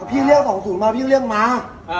เรียก๒๐มาพี่เรียกมา